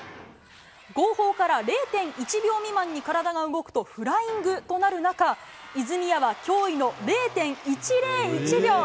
号砲から０．１秒未満に体が動くとフライングとなる中、泉谷は驚異の０．１０１秒。